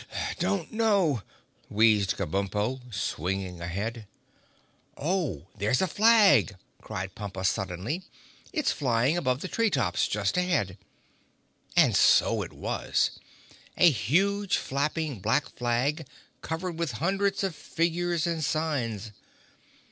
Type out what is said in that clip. "Don't know," wheezed Kabumpo, swinging ahead. "Oh! There's a flag!" cried Pompa suddenly. "It's flying above the tree tops just ahead." And so it was—a huge, flapping black flag covered with hundreds of figures and signs.